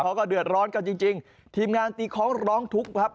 เขาก็เดือดร้อนกันจริงจริงทีมงานตีคล้องร้องทุกข์ครับ